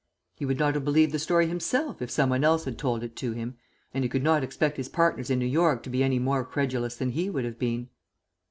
He would not have believed the story himself if some one else had told it to him, and he could not expect his partners in New York to be any more credulous than he would have been.